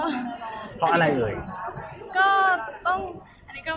คือเราเราพูดเป็นกลางดีกว่า